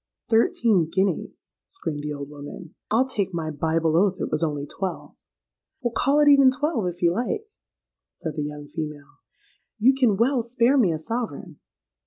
'—'Thirteen guineas!' screamed the old woman: 'I'll take my Bible oath it was only twelve.'—'Well, call it even twelve, if you like,' said the young female: 'you can well spare me a sovereign.'